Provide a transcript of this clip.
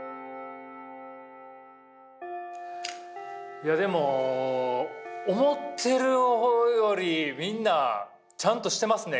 いやでも思ってるよりみんなちゃんとしてますね。